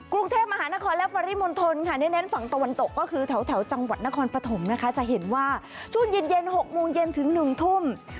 กรุงเทพมหานครและปริมณฑลค่ะเน้นฝั่งตะวันตกก็คือแถวจังหวัดนครปฐมนะคะจะเห็นว่าช่วงเย็น๖โมงเย็นถึง๑ทุ่ม